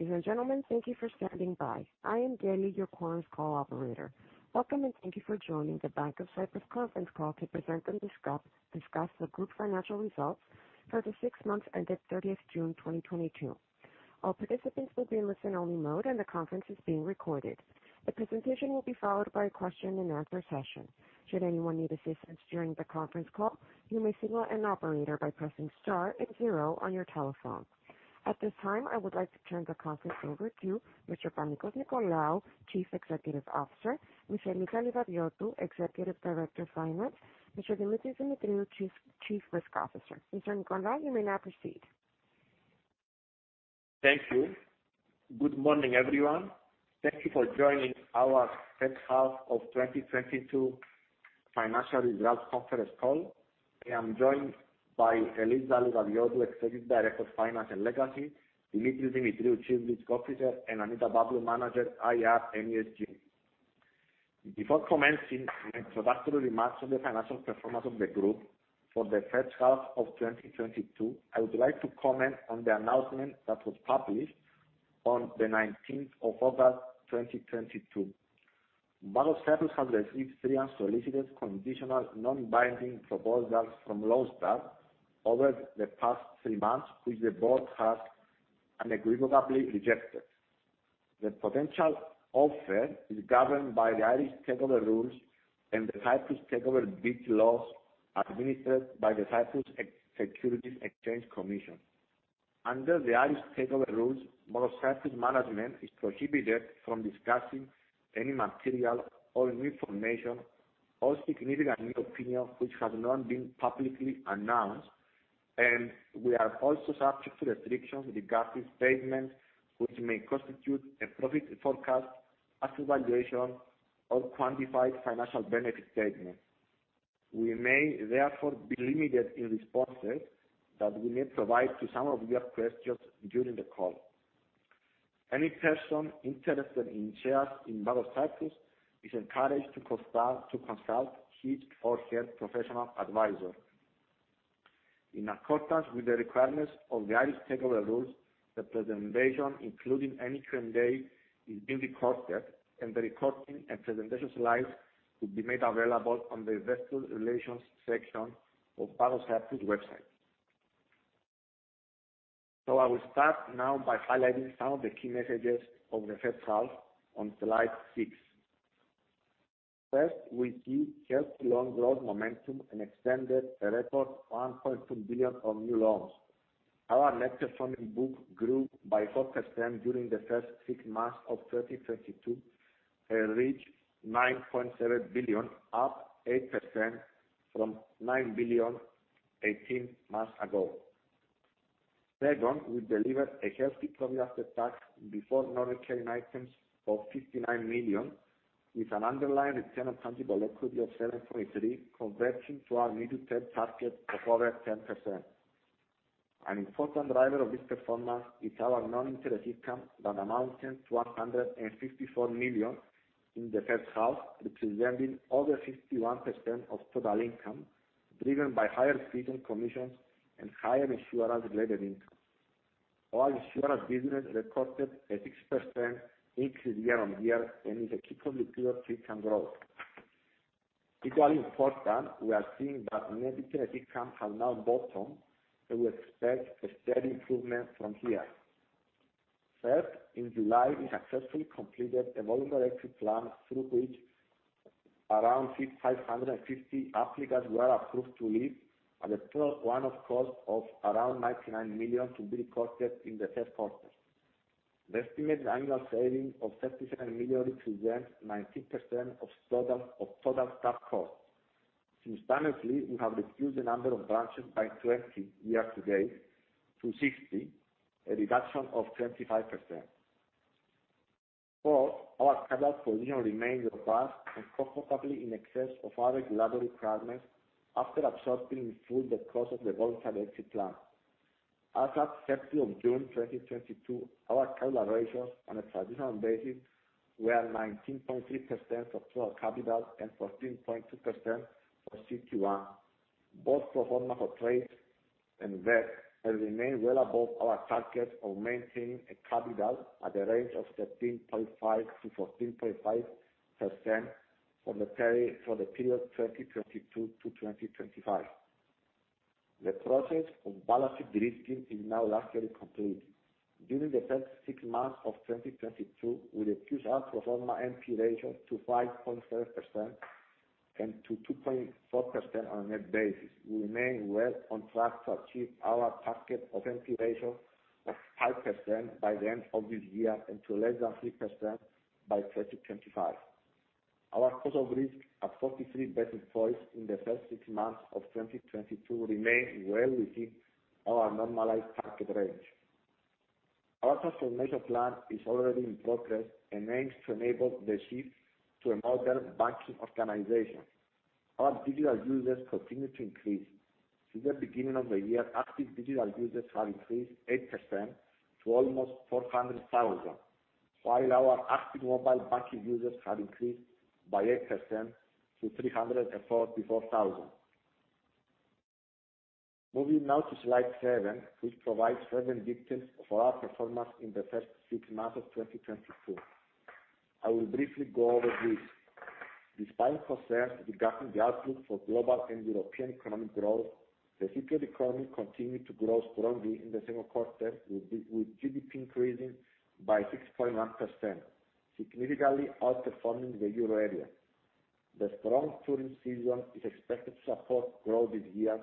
Ladies and gentlemen, thank you for standing by. I am Kelly, your conference call operator. Welcome, and thank you for joining the Bank of Cyprus conference call to present and discuss the group financial results for the six months ended 30th June 2022. All participants will be in listen only mode, and the conference is being recorded. The presentation will be followed by a question and answer session. Should anyone need assistance during the conference call, you may signal an operator by pressing star and zero on your telephone. At this time, I would like to turn the conference over to Mr. Panicos Nicolaou, Chief Executive Officer, Ms. Eliza Livadiotou, Executive Director of Finance, Mr. Demetris Demetriou, Chief Risk Officer. Mr. Nicolaou, you may now proceed. Thank you. Good morning, everyone. Thank you for joining our first half of 2022 financial results conference call. I am joined by Eliza Livadiotou, Executive Director of Finance and Legacy, Demetris Demetriou, Chief Risk Officer, and Annita Pavlou, Manager IR and ESG. Before commencing introductory remarks on the financial performance of the group for the first half of 2022, I would like to comment on the announcement that was published on the nineteenth of August 2022. Bank of Cyprus has received three unsolicited conditional non-binding proposals from Lone Star over the past three months, which the board has unequivocally rejected. The potential offer is governed by the Irish Takeover Rules and the Cyprus takeover bid laws administered by the Cyprus Securities and Exchange Commission. Under the Irish Takeover Rules, Bank of Cyprus management is prohibited from discussing any material or new information or significant new opinion which has not been publicly announced, and we are also subject to restrictions regarding statements which may constitute a profit forecast, asset valuation, or quantified financial benefit statement. We may therefore be limited in responses that we may provide to some of your questions during the call. Any person interested in shares in Bank of Cyprus is encouraged to consult his or her professional advisor. In accordance with the requirements of the Irish Takeover Rules, the presentation, including any Q&A, is being recorded, and the recording and presentation slides will be made available on the investor relations section of Bank of Cyprus website. I will start now by highlighting some of the key messages of the first half on slide 6. First, we see healthy loan growth momentum and extended a record 1.2 billion of new loans. Our net performing book grew by 4% during the first six months of 2022, reached 9.7 billion, up 8% from 9 billion eighteen months ago. Second, we delivered a healthy profit after tax before non-recurring items of 59 million, with an underlying return on tangible equity of 7.3, converging to our mid-term target of over 10%. An important driver of this performance is our non-interest income that amounted to 154 million in the first half, representing over 51% of total income, driven by higher fees and commissions and higher insurance-related income. Our insurance business recorded a 6% increase year-on-year and is a key contributor to income growth. Equally important, we are seeing that net interest income have now bottomed, and we expect a steady improvement from here. Third, in July, we successfully completed a voluntary exit plan through which around 550 applicants were approved to leave at a total one-off cost of around 99 million to be recorded in the third quarter. The estimated annual saving of 37 million represents 19% of total staff costs. Simultaneously, we have reduced the number of branches by 20 year-to-date to 60, a reduction of 25%. Four, our capital position remains robust and comfortably in excess of our regulatory requirements after absorbing in full the cost of the voluntary exit plan. As at 30 June 2022, our capital ratios on a traditional basis were 19.3% for total capital and 14.2% for CET1. Both pro forma CET1 and MREL have remained well above our target of maintaining a capital at the range of 13.5%-14.5% for the period 2022 to 2025. The process of balancing risk is now largely complete. During the first 6 months of 2022, we reduced our pro forma NPE ratio to 5.5% and to 2.4% on a net basis. We remain well on track to achieve our target of NPE ratio of 5% by the end of this year and to less than 3% by 2025. Our cost of risk at 43 basis points in the first 6 months of 2022 remains well within our normalized target range. Our transformation plan is already in progress and aims to enable the shift to a modern banking organization. Our digital users continue to increase. Since the beginning of the year, active digital users have increased 8% to almost 400,000, while our active mobile banking users have increased by 8% to 344,000. Moving now to slide 7, which provides further details for our performance in the first six months of 2022. I will briefly go over this. Despite concerns regarding the outlook for global and European economic growth, the Cypriot economy continued to grow strongly in the second quarter, with GDP increasing by 6.9%, significantly outperforming the Euro area. The strong tourism season is expected to support growth this year,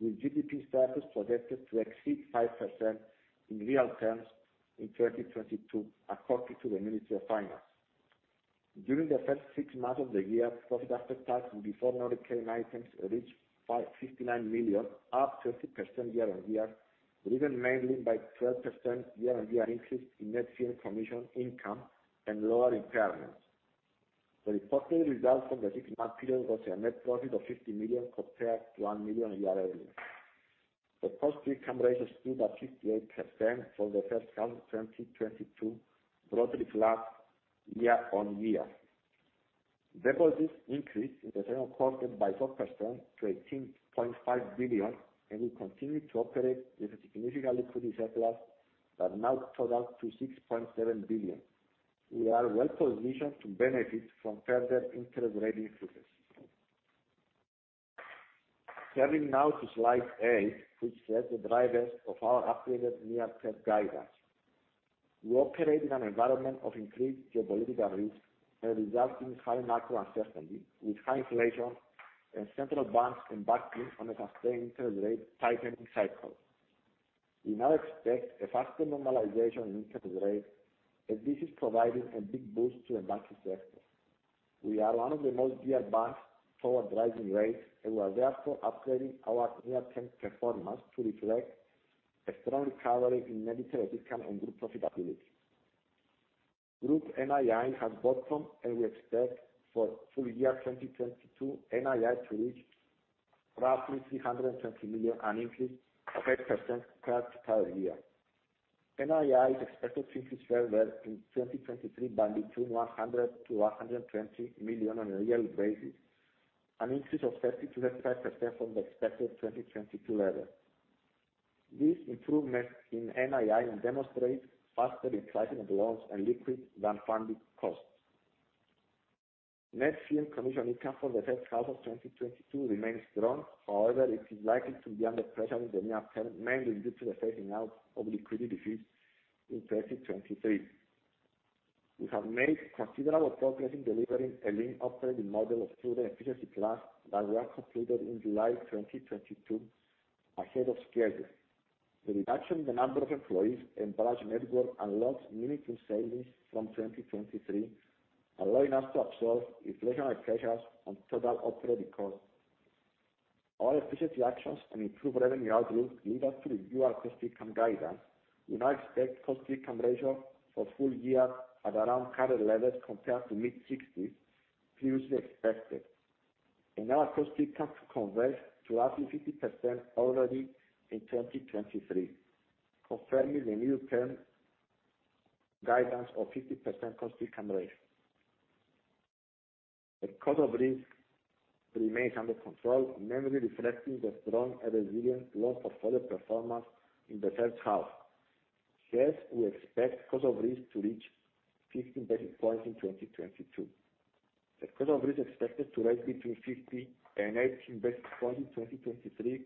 with GDP surplus projected to exceed 5% in real terms in 2022, according to the Ministry of Finance. During the first six months of the year, profit after tax before non-recurring items reached 59 million, up 30% year-on-year, driven mainly by 12% year-on-year increase in net fee and commission income and lower impairments. The reported results from the six-month period was a net profit of 50 million compared to 1 million a year earlier. The cost-to-income ratio stood at 58% for the first half 2022, broadly flat year-on-year. Deposits increased in the second quarter by 4% to 18.5 billion, and we continue to operate with a significant liquidity surplus that now total to 6.7 billion. We are well positioned to benefit from further interest rate increases. Turning now to slide eight, which shows the drivers of our upgraded near-term guidance. We operate in an environment of increased geopolitical risk that results in high macro uncertainty, with high inflation and central banks embarking on a sustained interest rate tightening cycle. We now expect a faster normalization in interest rates, and this is providing a big boost to the banking sector. We are one of the most geared banks toward rising rates, and we are therefore upgrading our near-term performance to reflect a strong recovery in net interest income and group profitability. Group NII has bottomed, and we expect for full year 2022 NII to reach roughly 320 million, an increase of 8% compared to last year. NII is expected to increase further in 2023 by between 100 million to 120 million on a yearly basis, an increase of 30%-35% from the expected 2022 level. This improvement in NII will demonstrate faster repricing of loans and liabilities than funding costs. Net fee and commission income for the first half of 2022 remains strong. However, it is likely to be under pressure in the near term, mainly due to the phasing out of liquidity fees in 2023. We have made considerable progress in delivering a lean operating model through the efficiency plan that was completed in July 2022, ahead of schedule. The reduction in the number of employees and branch network unlocks meaningful savings from 2023, allowing us to absorb inflationary pressures on total operating costs. Our efficiency actions and improved revenue outlook lead us to review our cost-income guidance. We now expect cost-income ratio for full year at around current levels compared to mid-60s% previously expected. Our cost-income to converge to roughly 50% already in 2023, confirming the near-term guidance of 50% cost-income ratio. The cost of risk remains under control, mainly reflecting the strong and resilient loan portfolio performance in the first half. Thus, we expect cost of risk to reach 15 basis points in 2022. The cost of risk expected to rise between 50 and 80 basis points in 2023,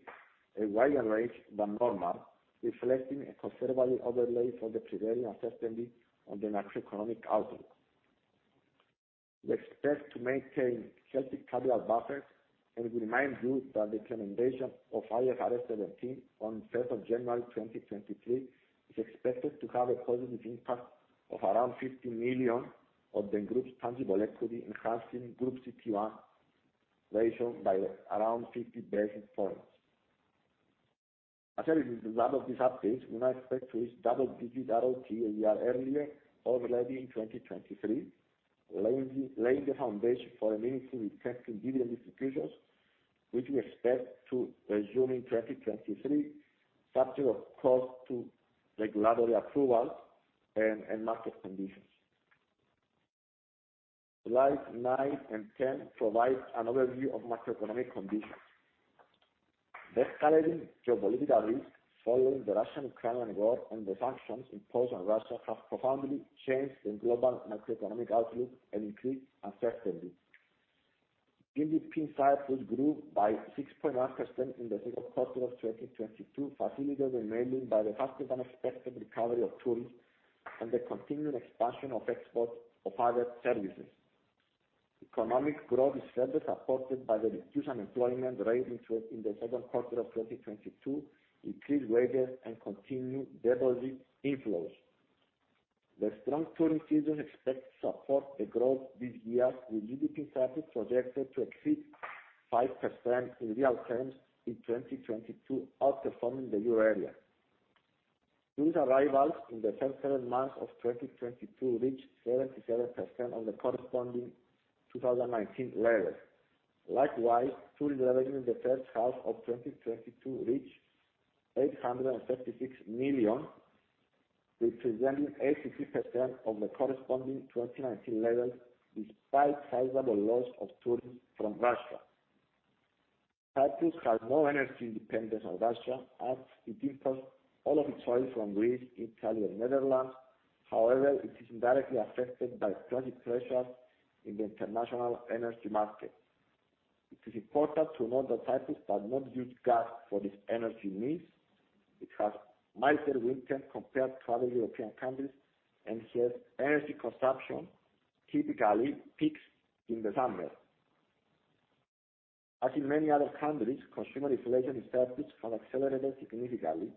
a wider range than normal, reflecting a considerable overlay for the prevailing uncertainty on the macroeconomic outlook. We expect to maintain healthy capital buffers, and we remind you that the implementation of IFRS 17 on January 1, 2023 is expected to have a positive impact of around 50 million on the group's tangible equity, enhancing Group CET1 ratio by around 50 basis points. As a result of this update, we now expect to reach ROTE a year earlier, already in 2023, laying the foundation for an increase in dividend distributions, which we expect to resume in 2023, subject of course to regulatory approval and market conditions. Slides 9 and 10 provide an overview of macroeconomic conditions. The escalating geopolitical risks following the Russian-Ukrainian war and the sanctions imposed on Russia have profoundly changed the global macroeconomic outlook and increased uncertainty. GDP in Cyprus grew by 6.9% in the second quarter of 2022, facilitated mainly by the faster-than-expected recovery of tourism and the continued expansion of exports of other services. Economic growth is further supported by the reduced unemployment rate in the second quarter of 2022, increased wages, and continued deposit inflows. The strong tourism season is expected to support the growth this year, with GDP surplus projected to exceed 5% in real terms in 2022, outperforming the Euro area. Tourist arrivals in the first seven months of 2022 reached 77% of the corresponding 2019 levels. Likewise, tourist revenue in the first half of 2022 reached 836 million, representing 83% of the corresponding 2019 levels, despite sizable loss of tourists from Russia. Cyprus has no energy dependence on Russia, as it imports all of its oil from Greece, Italy and the Netherlands. However, it is indirectly affected by pricing pressures in the international energy market. It is important to note that Cyprus does not use gas for its energy needs. It has milder winter compared to other European countries, and whose energy consumption typically peaks in the summer. As in many other countries, consumer inflation in Cyprus has accelerated significantly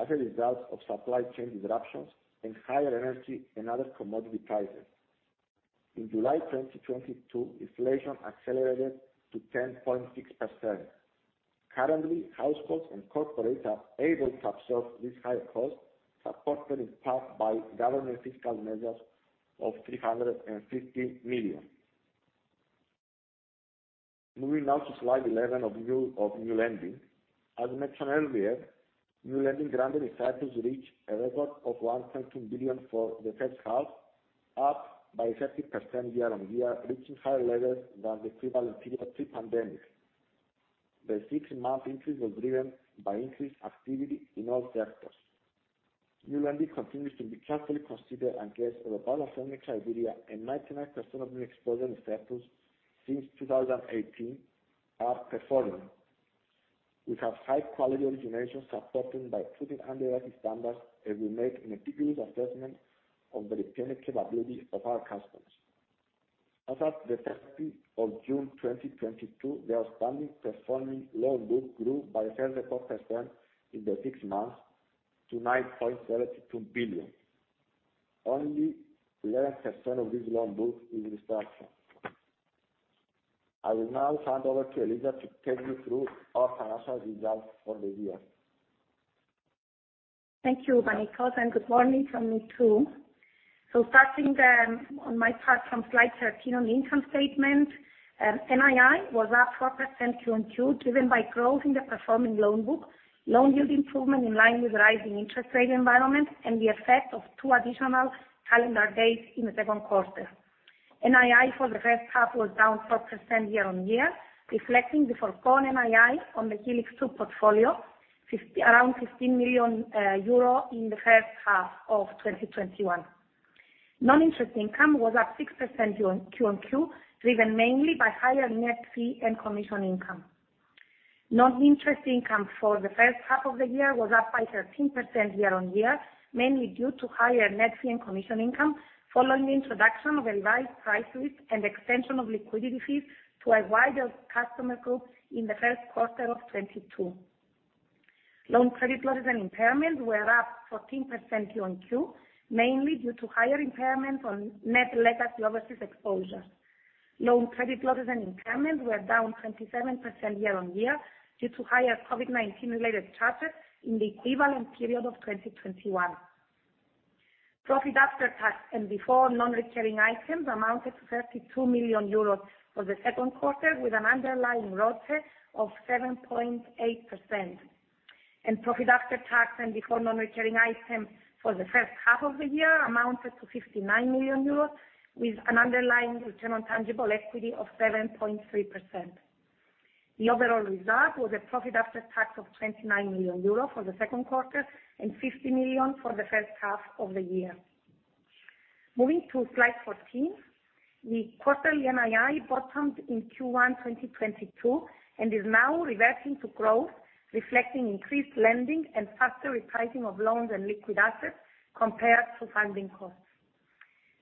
as a result of supply chain disruptions and higher energy and other commodity prices. In July 2022, inflation accelerated to 10.6%. Currently, households and corporates are able to absorb these higher costs, supported in part by government fiscal measures of 350 million. Moving now to slide 11 of new lending. As mentioned earlier, new lending granted in Cyprus reached a record of 1.2 billion for the first half, up by 30% year-on-year, reaching higher levels than the pre-pandemic. The six-month increase was driven by increased activity in all sectors. New lending continues to be carefully considered against our policy criteria, and 99% of new exposures in Cyprus since 2018 are performing. We have high quality originations supported by prudent underwriting standards, and we make a meticulous assessment of the repayment capability of our customers. As at the 13th of June 2022, the outstanding performing loan book grew by 13% in the six months to 9.72 billion. Only 11% of this loan book is in arrears. I will now hand over to Eliza to take you through our financial results for the year. Thank you, Panicos, and good morning from me, too. Starting on my part from slide 13 on the income statement. NII was up 4% Q on Q, driven by growth in the performing loan book, loan yield improvement in line with rising interest rate environment, and the effect of 2 additional calendar days in the second quarter. NII for the first half was down 4% year-on-year, reflecting the foregone NII on the Helix 2 portfolio, around 15 million euro in the first half of 2021. Non-interest income was up 6% Q on Q, driven mainly by higher net fee and commission income. Non-interest income for the first half of the year was up by 13% year-on-year, mainly due to higher net fee and commission income following the introduction of revised price lists and extension of liquidity fees to a wider customer group in the first quarter of 2022. Loan credit losses and impairment were up 14% Q-on-Q, mainly due to higher impairment on net legacy overseas exposure. Loan credit losses and impairment were down 27% year-on-year due to higher COVID-19 related charges in the equivalent period of 2021. Profit after tax and before non-recurring items amounted to 32 million euros for the second quarter, with an underlying ROTE of 7.8%. Profit after tax and before non-recurring items for the first half of the year amounted to 59 million euros, with an underlying return on tangible equity of 7.3%. The overall result was a profit after tax of 29 million euro for the second quarter, and 50 million for the first half of the year. Moving to slide 14. The quarterly NII bottomed in Q1 2022, and is now reversing to growth, reflecting increased lending and faster repricing of loans and liquid assets compared to funding costs.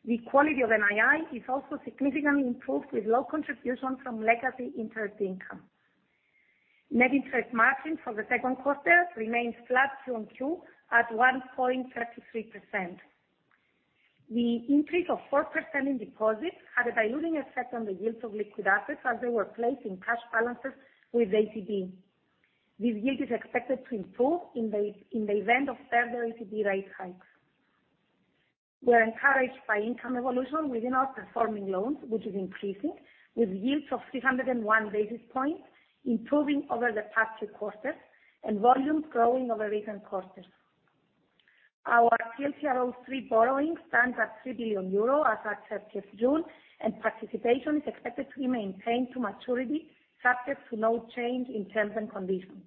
The quality of NII is also significantly improved with low contribution from legacy interest income. Net interest margin for the second quarter remains flat Q on Q at 1.33%. The increase of 4% in deposits had a diluting effect on the yields of liquid assets as they were placed in cash balances with ECB. This yield is expected to improve in the event of further ECB rate hikes. We're encouraged by income evolution within our performing loans, which is increasing, with yields of 301 basis points improving over the past two quarters and volumes growing over recent quarters. Our TLTRO three borrowings stands at 3 billion euro as at 30 June, and participation is expected to remain paying to maturity, subject to no change in terms and conditions.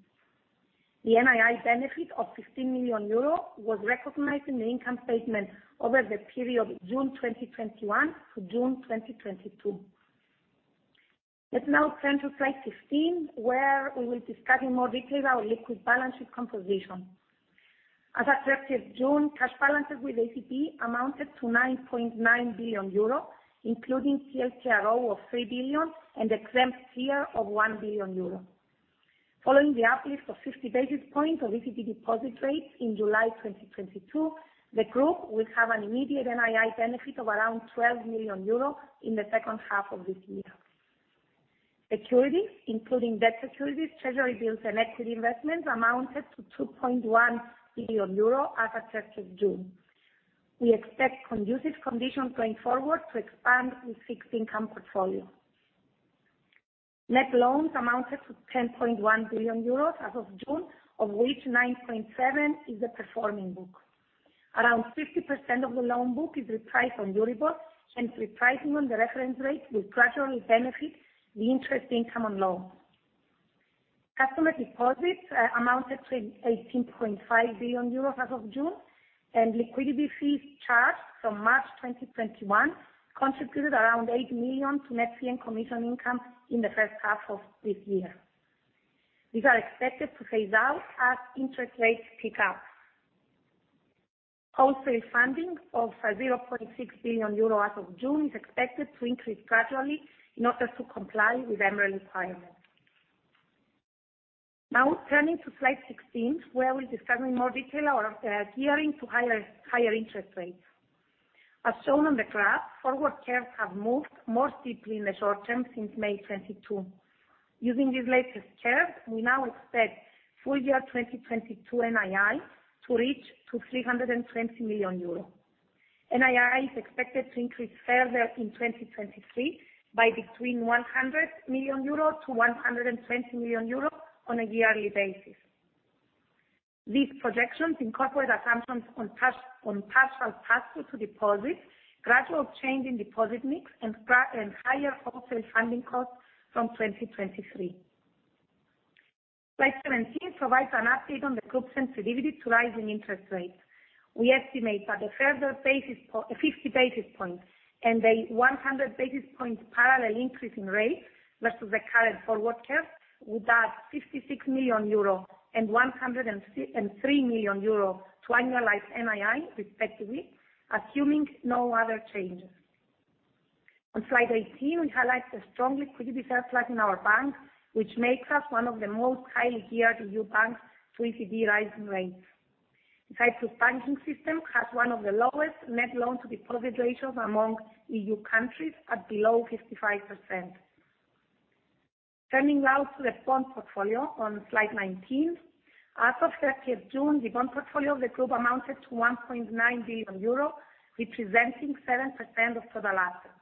The NII benefit of 15 million euro was recognized in the income statement over the period June 2021 to June 2022. Let's now turn to slide 15, where we will discuss in more detail our liquid balance sheet composition. As at 30 June, cash balances with ECB amounted to 9.9 billion euro, including TLTRO of 3 billion and exempt Tier of 1 billion euro. Following the uplift of 50 basis points of ECB deposit rates in July 2022, the group will have an immediate NII benefit of around 12 million euros in the second half of this year. Securities, including debt securities, treasury bills, and equity investments amounted to 2.1 billion euro as at 30 June. We expect conducive conditions going forward to expand the fixed income portfolio. Net loans amounted to 10.1 billion euros as of June, of which 9.7 billion is the performing book. Around 50% of the loan book is repriced on Euribor, and repricing on the reference rate will gradually benefit the interest income on loans. Customer deposits amounted to 18.5 billion euros as of June, and liquidity fees charged from March 2021 contributed around 8 million to net fee and commission income in the first half of this year. These are expected to phase out as interest rates pick up. Wholesale funding of 0.6 billion euro as of June is expected to increase gradually in order to comply with MREL requirement. Now turning to slide 16, where we discuss in more detail our gearing to higher interest rates. As shown on the graph, forward curves have moved more steeply in the short term since May 2022. Using these latest curves, we now expect full year 2022 NII to reach 320 million euros. NII is expected to increase further in 2023 by between 100 million euros to 120 million euros on a yearly basis. These projections incorporate assumptions on partial pass-through to deposits, gradual change in deposit mix and higher wholesale funding costs from 2023. Slide 17 provides an update on the group sensitivity to rising interest rates. We estimate that a further 50 basis points and a 100 basis points parallel increase in rates versus the current forward curve would add 56 million euro and 103 million euro to annualized NII respectively, assuming no other changes. On slide 18, we highlight the strong liquidity surplus in our bank, which makes us one of the most highly geared EU banks to ECB rising rates. The Cyprus banking system has one of the lowest net loan to deposit ratios among EU countries at below 55%. Turning now to the bond portfolio on slide 19. As of 30 June, the bond portfolio of the group amounted to 1.9 billion euro, representing 7% of total assets.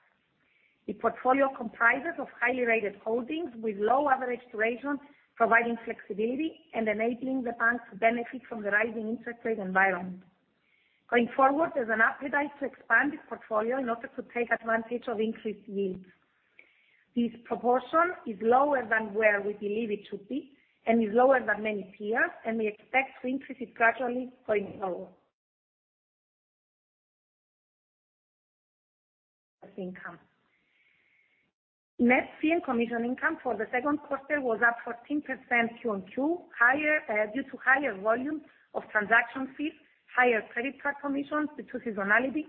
The portfolio comprises of highly rated holdings with low average durations, providing flexibility and enabling the bank to benefit from the rising interest rate environment. Going forward, there's an appetite to expand this portfolio in order to take advantage of increased yields. This proportion is lower than where we believe it should be and is lower than many peers, and we expect to increase it gradually going forward. Income. Net fee and commission income for the second quarter was up 14% QOQ, higher due to higher volumes of transaction fees, higher credit card commissions due to seasonality.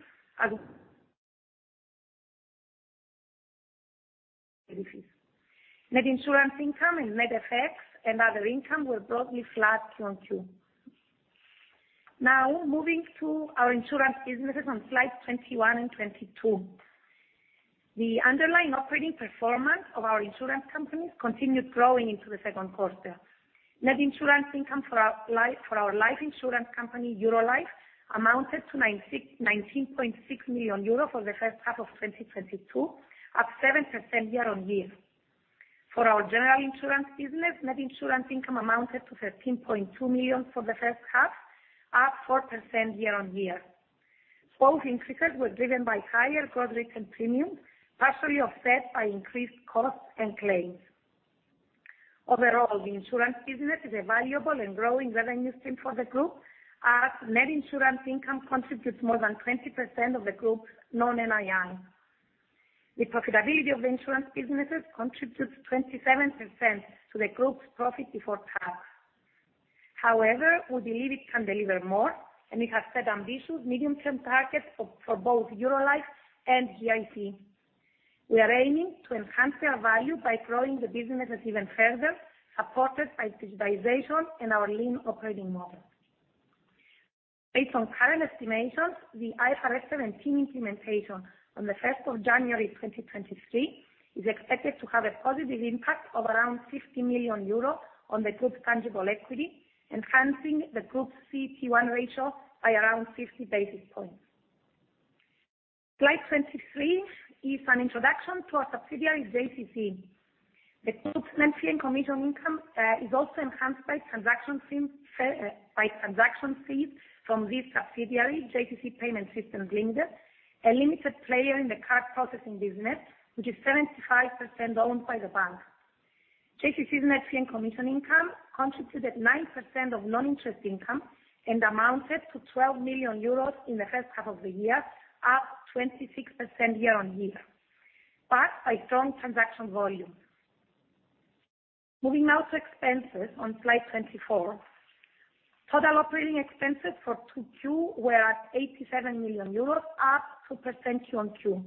Net insurance income and net FX and other income were broadly flat QOQ. Now moving to our insurance businesses on slide 21 and 22. The underlying operating performance of our insurance companies continued growing into the second quarter. Net insurance income for our life insurance company, Eurolife, amounted to 19.6 million euros for the first half of 2022, up 7% year-on-year. For our general insurance business, net insurance income amounted to 13.2 million for the first half, up 4% year-on-year. Both increases were driven by higher gross written premium, partially offset by increased costs and claims. Overall, the insurance business is a valuable and growing revenue stream for the group, as net insurance income contributes more than 20% of the group's non-NII. The profitability of the insurance businesses contributes 27% to the group's profit before tax. However, we believe it can deliver more, and we have set ambitious medium-term targets for both Eurolife and GIC. We are aiming to enhance their value by growing the businesses even further, supported by digitization and our lean operating model. Based on current estimations, the IFRS 17 implementation on the first of January 2023 is expected to have a positive impact of around 50 million euros on the group's tangible equity, enhancing the group's CET1 ratio by around 50 basis points. Slide 23 is an introduction to our subsidiaries JCC. The group's net fee and commission income is also enhanced by transaction fees from this subsidiary, JCC Payment Systems Limited, a limited player in the card processing business, which is 75% owned by the bank. JCC's net fee and commission income contributed 9% of non-interest income and amounted to 12 million euros in the first half of the year, up 26% year-on-year, backed by strong transaction volume. Moving now to expenses on slide 24. Total operating expenses for 2Q were at 87 million euros, up 2% QOQ.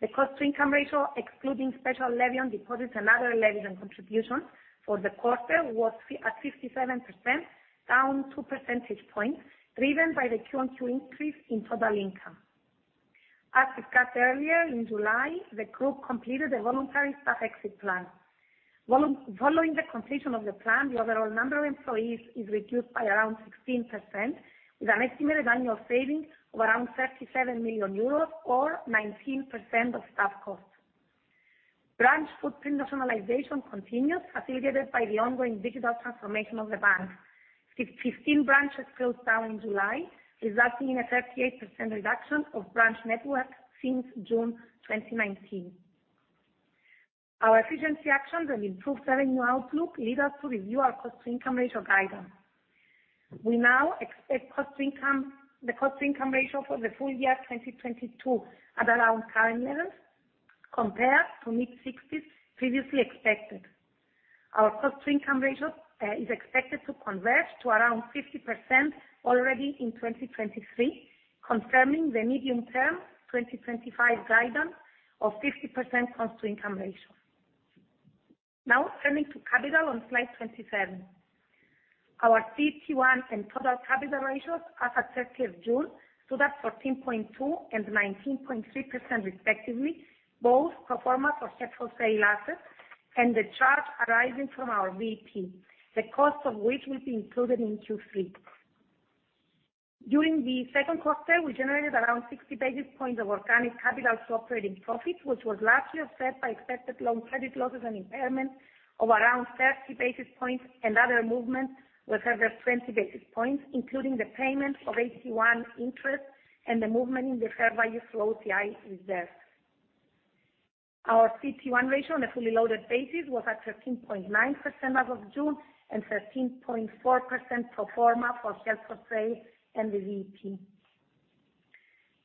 The cost-to-income ratio, excluding special levy on deposits and other levies and contributions for the quarter, was at 57%, down 2 percentage points, driven by the QOQ increase in total income. As discussed earlier, in July, the group completed a voluntary staff exit plan. Following the completion of the plan, the overall number of employees is reduced by around 16%, with an estimated annual saving of around 37 million euros or 19% of staff costs. Branch footprint rationalization continues, facilitated by the ongoing digital transformation of the bank. 15 branches closed down in July, resulting in a 38% reduction of branch network since June 2019. Our efficiency actions and improved revenue outlook lead us to review our cost-to-income ratio guidance. We now expect the cost-to-income ratio for the full year 2022 at around current levels compared to mid-60s% previously expected. Our cost-to-income ratio is expected to converge to around 50% already in 2023, confirming the medium-term 2025 guidance of 50% cost-to-income ratio. Now turning to capital on slide 27. Our CET1 and total capital ratios as at 30 June stood at 14.2% and 19.3% respectively, both pro forma for held-for-sale assets and the charge arising from our VTP, the cost of which will be included in Q3. During the second quarter, we generated around 60 basis points of organic capital to operating profit, which was largely offset by expected loan credit losses and impairment of around 30 basis points, and other movements were further 20 basis points, including the payment of AT1 interest and the movement in the FVOCI reserves. Our CET1 ratio on a fully loaded basis was at 13.9% as of June and 13.4% pro forma for held-for-sale and the VTP.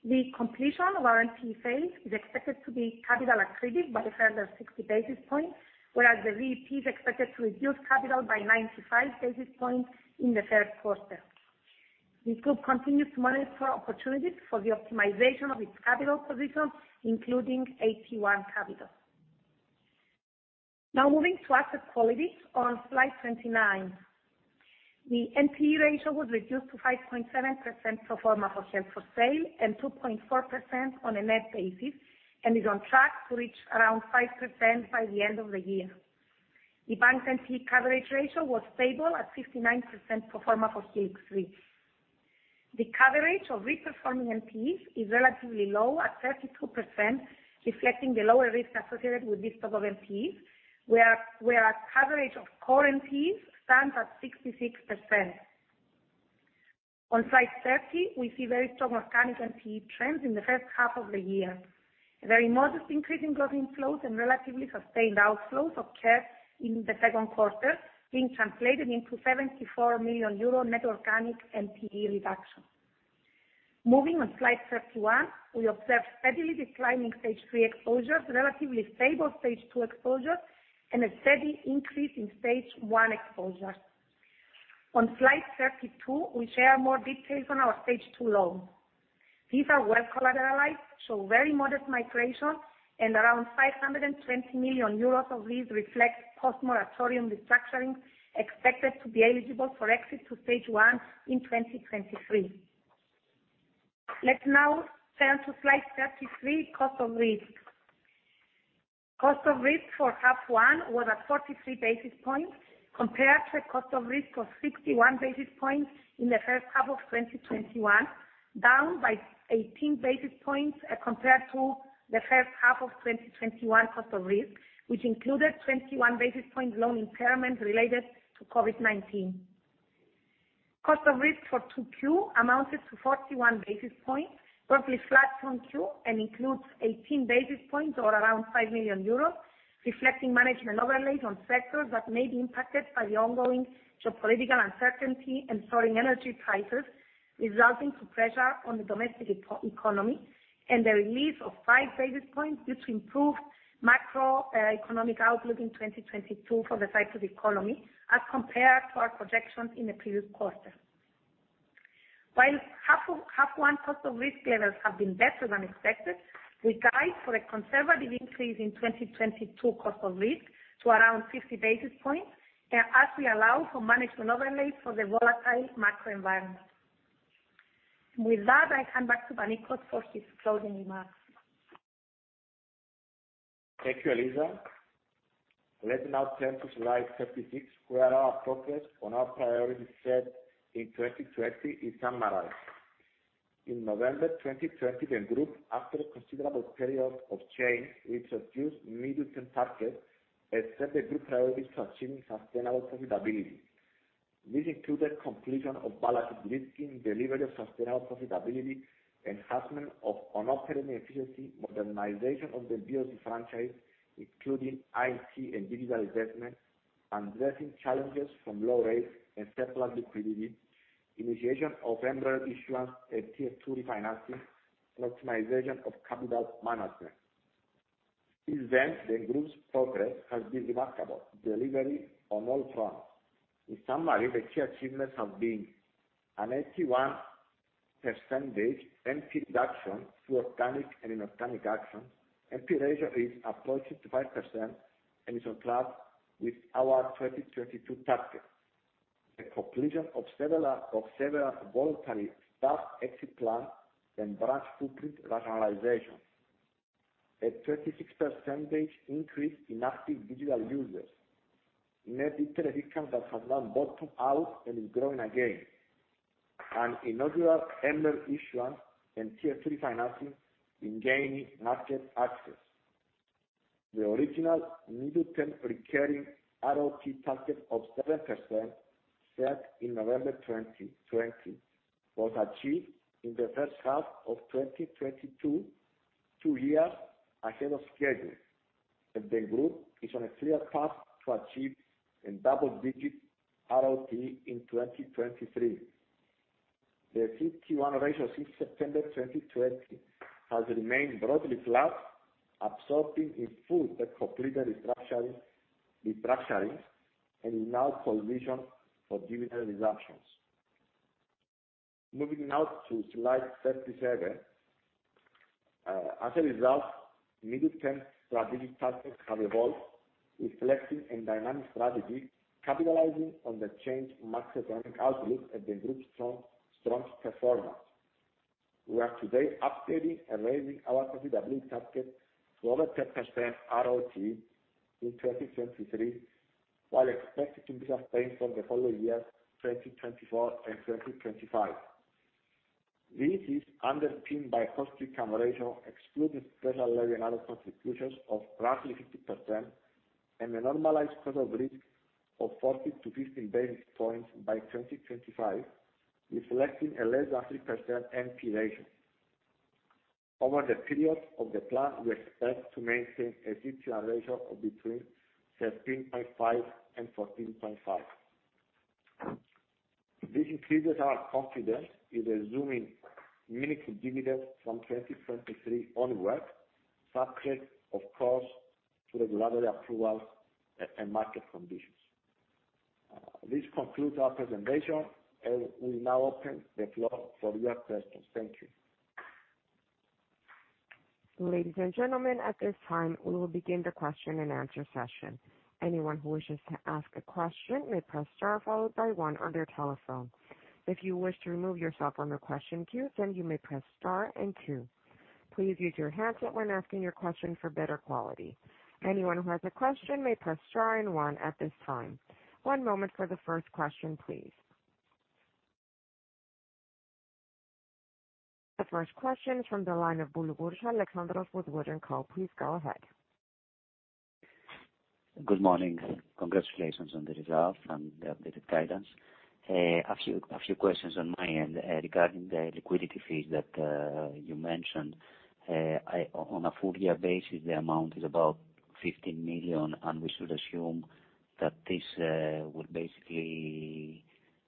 The completion of our NPE phase is expected to be capital accretive by a further 60 basis points, whereas the VTP is expected to reduce capital by 95 basis points in the third quarter. The group continues to monitor opportunities for the optimization of its capital position, including AT1 capital. Now moving to asset quality on slide 29. The NPE ratio was reduced to 5.7% pro forma for held-for-sale and 2.4% on a net basis, and is on track to reach around 5% by the end of the year. The bank's NPE coverage ratio was stable at 59% pro forma for Stage 3. The coverage of risk performing NPEs is relatively low at 32%, reflecting the lower risk associated with this stock of NPEs, where our coverage of core NPEs stands at 66%. On slide 30, we see very strong organic NPE trends in the first half of the year. A very modest increase in gross inflows and relatively sustained outflows occurred in the second quarter, being translated into 74 million euro net organic NPE reduction. Moving on slide 31, we observe steadily declining Stage 2 exposures, relatively stable Stage 2 exposures, and a steady increase in Stage 1 exposures. On slide 32, we share more details on our Stage 2 loans. These are well collateralized, show very modest migration, and around 520 million euros of these reflect post-moratorium restructurings expected to be eligible for exit to Stage 1 in 2023. Let's now turn to slide 33, cost of risk. Cost of risk for H1 was at 43 basis points, compared to a cost of risk of 61 basis points in the first half of 2021, down by 18 basis points, compared to the first half of 2021 cost of risk, which included 21 basis point loan impairment related to COVID-19. Cost of risk for 2Q amounted to 41 basis points, roughly flat QoQ, and includes 18 basis points or around 5 million euros, reflecting management overlay on sectors that may be impacted by the ongoing geopolitical uncertainty and soaring energy prices, resulting in pressure on the domestic economy and the release of 5 basis points due to improved macroeconomic outlook in 2022 for the Cyprus economy as compared to our projections in the previous quarter. While H1 cost of risk levels have been better than expected, we guide for a conservative increase in 2022 cost of risk to around 50 basis points, as we allow for management overlay for the volatile macro environment. With that, I hand back to Panicos for his closing remarks. Thank you, Eliza. Let's now turn to slide 36, where our progress on our priorities set in 2020 is summarized. In November 2020, the group, after a considerable period of change, reintroduced medium-term targets and set the group priorities to achieving sustainable profitability. This included completion of balance sheet de-risking, delivery of sustainable profitability, enhancement of operating efficiency, modernization of the BOC franchise, including IT and digital investment, addressing challenges from low rates and surplus liquidity, initiation of embedded issuance and Tier 2 refinancing, and optimization of capital management. Since then, the group's progress has been remarkable, delivering on all fronts. In summary, the key achievements have been an 81% NPE reduction through organic and inorganic action. NPE ratio is approaching 5% and is on track with our 2022 target. The completion of several voluntary staff exit plan and branch footprint rationalization. A 36% increase in active digital users. Net interest income that has now bottomed out and is growing again. An inaugural MREL issuance and Tier 3 financing in gaining market access. The original medium-term recurring ROTE target of 7%, set in November 2020, was achieved in the first half of 2022, two years ahead of schedule. The group is on a clear path to achieve a double-digit ROTE in 2023. The CET1 ratio since September 2020 has remained broadly flat, absorbing in full the completed restructuring, and is now positioned for dividend resumptions. Moving now to slide 37. As a result, medium-term strategic targets have evolved, reflecting a dynamic strategy capitalizing on the changed macroeconomic outlook and the group's strong performance. We are today updating and raising our profitability target to over 10% ROTE in 2023, while expecting to be sustained for the following years, 2024 and 2025. This is underpinned by a cost-income ratio excluding special level and other contributions of roughly 50% and a normalized cost of risk of 40-50 basis points by 2025, reflecting a less than 3% NPE ratio. Over the period of the plan, we expect to maintain a CET1 ratio of between 13.5 and 14.5. This increases our confidence in resuming meaningful dividends from 2023 onward, subject of course to regulatory approvals and market conditions. This concludes our presentation, and we now open the floor for your questions. Thank you. Ladies and gentlemen, at this time, we will begin the question and answer session. Anyone who wishes to ask a question may press star followed by one on their telephone. If you wish to remove yourself from the question queue, then you may press star and two. Please mute your handset when asking your question for better quality. Anyone who has a question may press star and one at this time. One moment for the first question, please. The first question is from the line of Alexandros Boulougouris with Wood & Company. Please go ahead. Good morning. Congratulations on the results and the updated guidance. A few questions on my end regarding the liquidity fees that you mentioned. On a full year basis, the amount is about 15 million, and we should assume that this would basically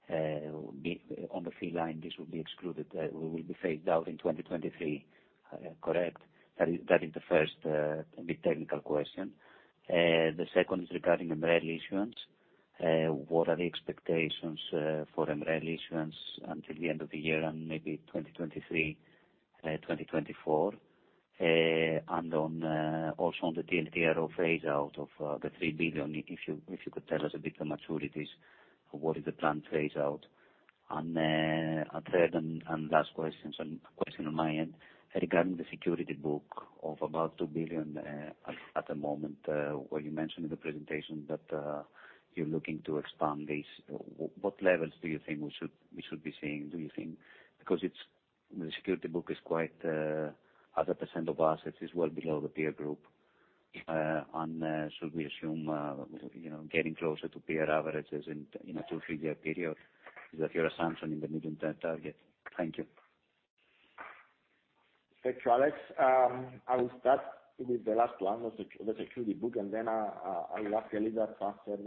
be on the fee line, this will be excluded. Will be phased out in 2023, correct? That is the first bit technical question. The second is regarding MREL issuance. What are the expectations for MREL issuance until the end of the year and maybe 2023, 2024? Also on the TLTRO phase out of the 3 billion, if you could tell us a bit the maturities, what is the planned phase out? A third and last question on my end: Regarding the security book of about 2 billion at the moment, where you mentioned in the presentation that you're looking to expand this. What levels do you think we should be seeing, do you think? Because the security book is quite as a % of assets well below the peer group. And should we assume, you know, getting closer to peer averages in a two- or three-year period? Is that your assumption in the medium-term target? Thank you. Thanks, Alexandros. I will start with the last one, with the security book, and then, I'll ask Eliza to answer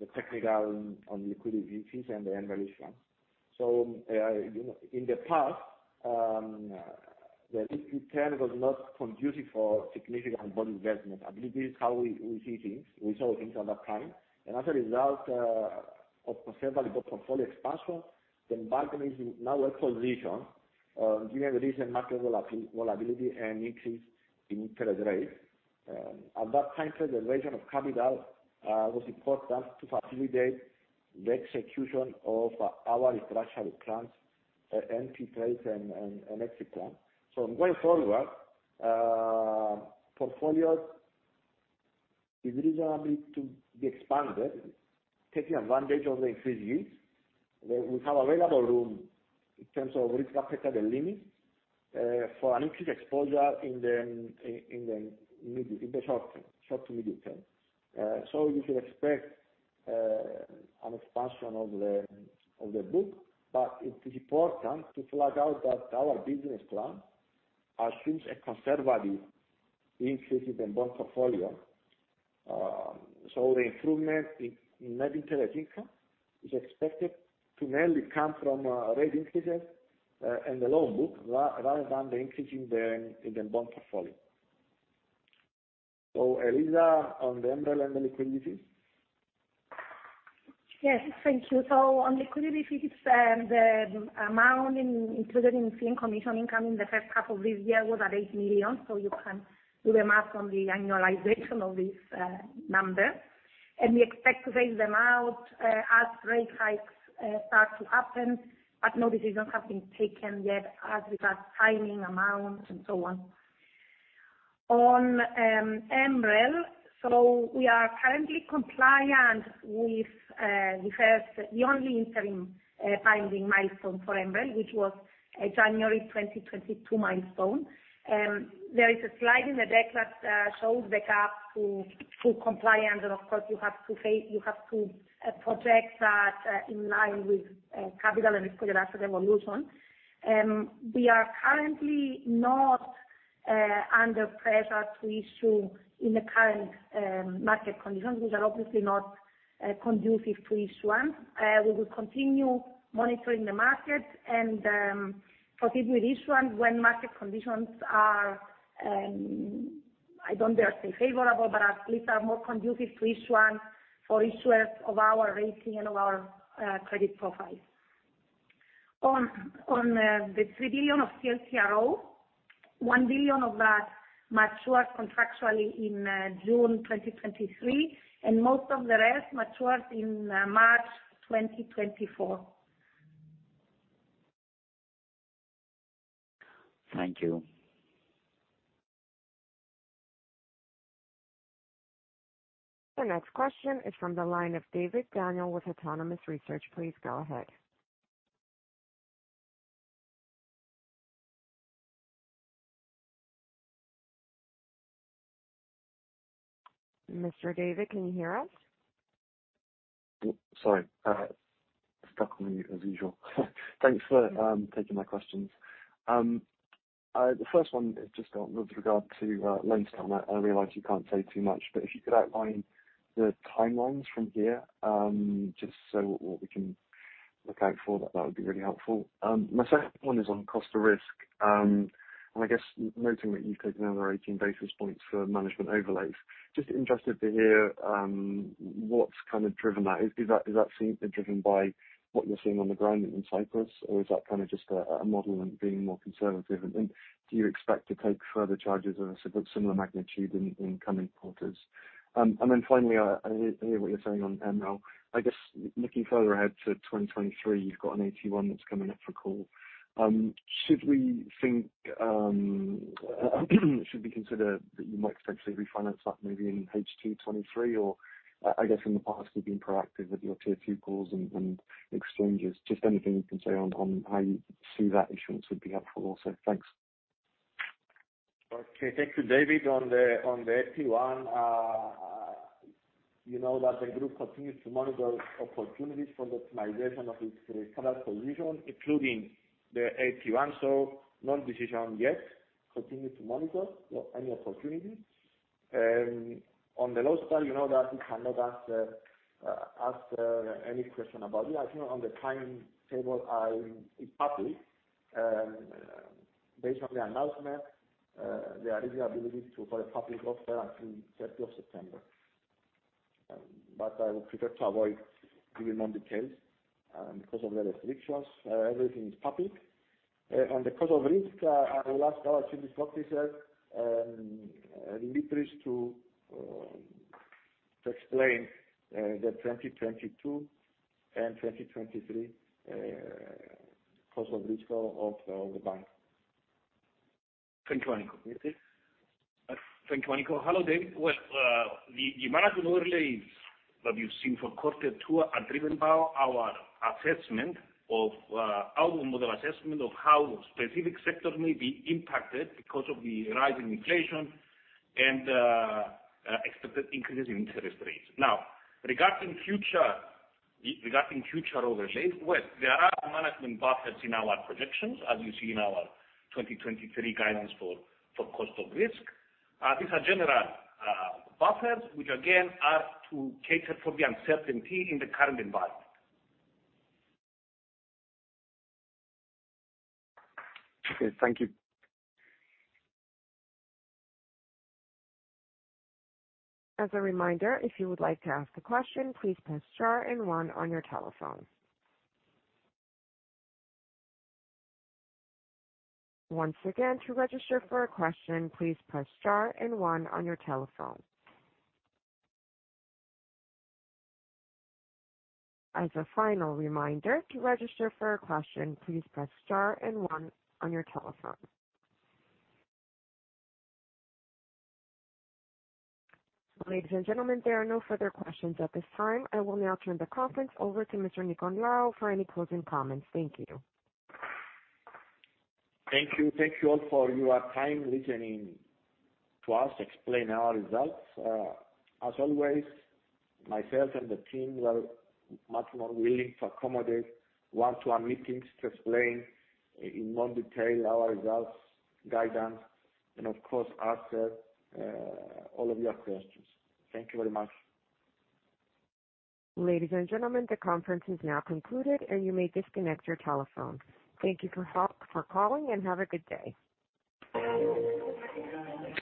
the technical on liquidity fees and the MREL issuance. You know, in the past, the low return was not conducive for significant bond investment. At least this is how we see things. We saw things at that time. As a result of considerable portfolio expansion, the bank is in a weak position, given the recent market volatility and increase in interest rates. At that time frame, the raising of capital was important to facilitate the execution of our restructuring plans, NP trades and exit plan. Going forward, portfolio is reasonably to be expanded, taking advantage of the increased yields. We have available room in terms of risk-adjusted lending for an increased exposure in the short to medium term. You should expect an expansion of the book. It's important to flag out that our business plan assumes a conservative increase in the bond portfolio. The improvement in net interest income is expected to mainly come from rate increases in the loan book rather than the increase in the bond portfolio. Eliza, on the MREL and the liquidity? Yes. Thank you. On liquidity fees, the amount included in fee and commission income in the first half of this year was at 8 million, so you can do the math on the annualization of this number. We expect to raise them out as rate hikes start to happen, but no decisions have been taken yet as regards timing, amount, and so on. On MREL, we are currently compliant with the only interim final milestone for MREL, which was a January 2022 milestone. There is a slide in the deck that shows the gap to compliance. Of course, you have to project that in line with capital and risk-based evolution. We are currently not under pressure to issue in the current market conditions, which are obviously not conducive to issuance. We will continue monitoring the market and proceed with issuance when market conditions are, I don't dare say favorable, but at least are more conducive to issuance for issuers of our rating and of our credit profile. On the 3 billion of TLTRO, 1 billion of that matures contractually in June 2023, and most of the rest matures in March 2024. Thank you. The next question is from the line of Daniel David with Autonomous Research. Please go ahead. Mr. David, can you hear us? Sorry, stuck on me as usual. Thanks for taking my questions. The first one is just on with regard to Lone Star. I realize you can't say too much, but if you could outline the timelines from here, just so what we can look out for, that would be really helpful. My second one is on cost to risk. I guess noting that you've taken over 18 basis points for management overlays, just interested to hear what's kind of driven that. Is that driven by what you're seeing on the ground in Cyprus, or is that kind of just a model and being more conservative? And do you expect to take further charges of a similar magnitude in coming quarters? Finally, I hear what you're saying on MREL. I guess, looking further ahead to 2023, you've got an AT1 that's coming up for call. Should we think, should we consider that you might potentially refinance that maybe in H2 2023? Or, I guess in the past, you've been proactive with your Tier 2 calls and exchanges. Just anything you can say on how you see that issuance would be helpful also. Thanks. Okay, thank you, David. On the AT1, you know that the group continues to monitor opportunities for the optimization of its risk coverage position, including the AT1, so no decision yet. Continue to monitor any opportunity. On the Lone Star, you know that we cannot answer any question about it. As you know, the timetable is public. Based on the announcement, there is the ability to file a public offer until 30 September. But I would prefer to avoid giving more details because of the restrictions. Everything is public. On the cost of risk, I will ask our chief risk officer, Demetris, to explain the 2022 and 2023 cost of risk of the bank. Thank you, Nico. Yes, please. Thank you, Nico. Hello, Dave. Well, the management overlays that you've seen for quarter two are driven by our assessment of our model assessment of how specific sectors may be impacted because of the rising inflation and expected increases in interest rates. Now, regarding future overlays, well, there are management buffers in our projections, as you see in our 2023 guidance for cost of risk. These are general buffers, which again, are to cater for the uncertainty in the current environment. Okay, thank you. As a reminder, if you would like to ask a question, please press star and one on your telephone. Once again, to register for a question, please press star and one on your telephone. As a final reminder, to register for a question, please press star and one on your telephone. Ladies and gentlemen, there are no further questions at this time. I will now turn the conference over to Mr. Panicos Nicolaou for any closing comments. Thank you. Thank you. Thank you all for your time listening to us explain our results. As always, myself and the team are much more willing to accommodate one-to-one meetings to explain in more detail our results, guidance, and of course, answer all of your questions. Thank you very much. Ladies and gentlemen, the conference is now concluded, and you may disconnect your telephones. Thank you for calling, and have a good day.